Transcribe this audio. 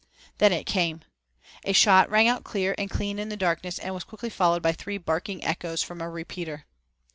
Then it came! A shot rang out clear and clean in the darkness and was quickly followed by three barking echoes from a repeater.